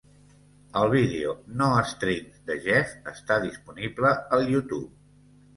El vídeo "No Strings" de Jeff està disponible al YouTube.